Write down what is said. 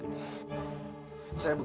kamu tahu kenapa saya begini